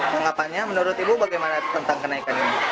tanggapannya menurut ibu bagaimana tentang kenaikan ini